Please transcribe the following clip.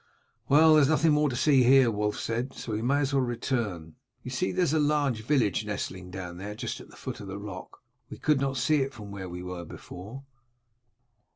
"Well, there is nothing more to see," Wulf said, "so we may as well return. You see there is a large village nestling down there just at the foot of the rock. We could not see it from where we were before.